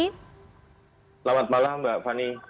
selamat malam mbak fani